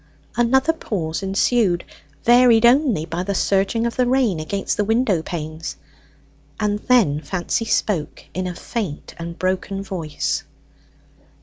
Another pause ensued, varied only by the surging of the rain against the window panes, and then Fancy spoke, in a faint and broken voice.